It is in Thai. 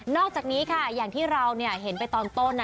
อกจากนี้ค่ะอย่างที่เราเห็นไปตอนต้น